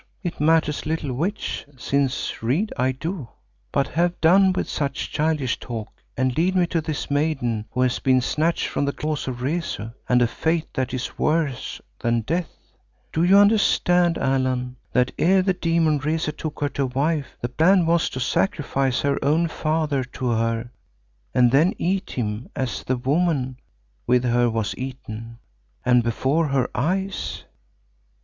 It matters little which, since read I do. But have done with such childish talk and lead me to this maiden who has been snatched from the claws of Rezu and a fate that is worse than death. Do you understand, Allan, that ere the demon Rezu took her to wife, the plan was to sacrifice her own father to her and then eat him as the woman with her was eaten, and before her eyes?